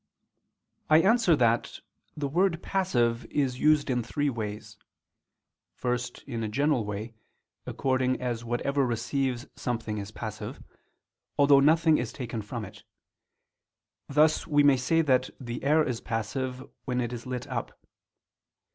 I answer that, The word "passive" is used in three ways. First, in a general way, according as whatever receives something is passive, although nothing is taken from it: thus we may say that the air is passive when it is lit up.